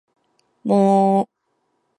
も